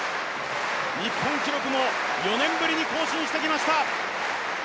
日本記録も４年ぶりに更新してきました。